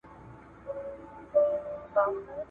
دا آیتونه د خالق پر قدرت دلالت کوي.